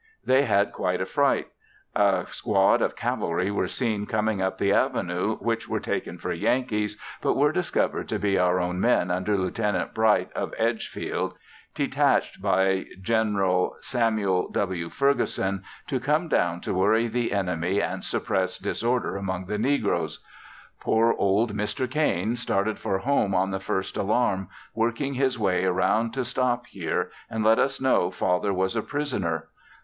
They had quite a fright; a squad of cavalry were seen coming up the avenue, which were taken for Yankees, but were discovered to be our own men under Lieut. Bright of Edgefield, detached by Gen. Samuel W. Ferguson to come down to worry the enemy and suppress disorder among the negroes. Poor old Mr. Cain started for home on the first alarm, working his way around to stop here and let us know Father was a prisoner!